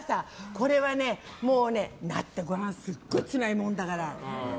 これはね、もうね、なってごらんすごいつらいものだから。